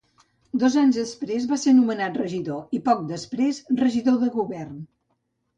Dos anys després va ser anomenat regidor i poc després regidor de govern.